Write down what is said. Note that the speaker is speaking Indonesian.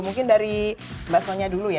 mungkin dari mbak sonia dulu ya